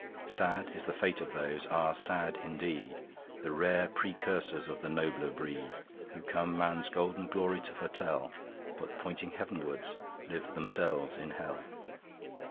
Sad is the Fate of those, ah, sad indeed, The rare precursors of the nobler breed! Who come man's golden glory to foretell, But pointing Heav'nwards live themselves in Hell.